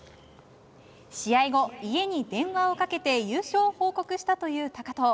試合後、家に電話をかけて優勝を報告したという高藤。